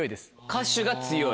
歌手が強い。